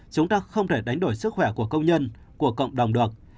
chúng ta không thể đánh đổi sức khỏe của công nhân của cộng đồng được